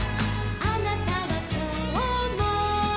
「あなたはきょうも」